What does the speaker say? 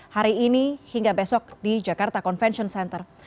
hari ini hingga besok di jakarta convention center